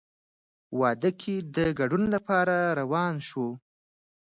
واده کې د ګډون لپاره روان شوو.